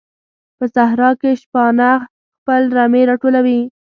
په صحراء کې شپانه خپل رمې راټولوي.